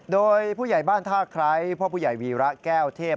โดยผู้ใหญ่บ้านท่าไคร้พ่อผู้ใหญ่วีระแก้วเทพ